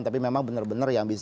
tapi memang benar benar yang bisa